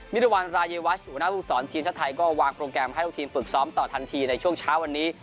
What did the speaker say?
รวรรณรายวัชหัวหน้าภูมิสอนทีมชาติไทยก็วางโปรแกรมให้ลูกทีมฝึกซ้อมต่อทันทีในช่วงเช้าวันนี้